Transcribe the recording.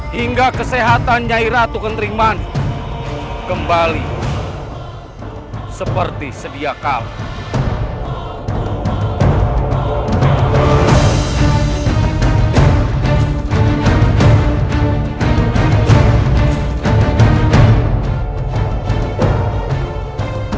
hingga kesehatan nyai ratu kentring mani kembali seperti sedia kala